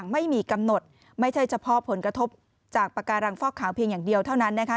ไม่มีกำหนดไม่ใช่เฉพาะผลกระทบจากปากการังฟอกขาวเพียงอย่างเดียวเท่านั้นนะคะ